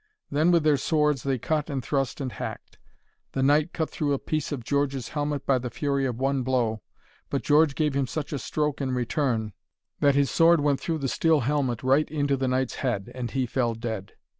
Then, with their swords they cut and thrust and hacked. The knight cut through a piece of George's helmet by the fury of one blow, but George gave him such a stroke in return, that his sword went through the steel helmet right into the knight's head, and he fell dead.